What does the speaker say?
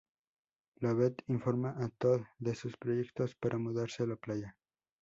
Lovett informa a Todd de sus proyectos para mudarse a la playa.